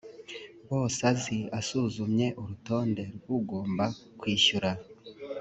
bose azi asuzumye urutonde rw ugomba kwishyura